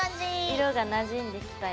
色がなじんできたよ。